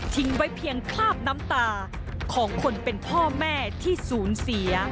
ไว้เพียงคราบน้ำตาของคนเป็นพ่อแม่ที่ศูนย์เสีย